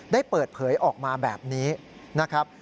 ได้เปิดเผยออกมาแบบนี้นะครับ